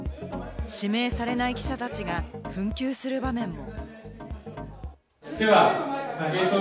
指名されない記者たちが紛糾する場面も。